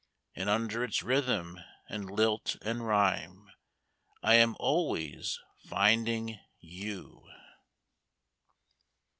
And under its rhythm, and lilt, and rhyme, I am always finding you.